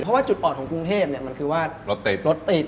เพราะว่าจุดอ่อนของกรุงเทพมันคือว่ารถติด